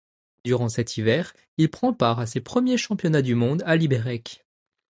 Durant cet hiver, il prend part à ses premiers Championnats du monde à Liberec.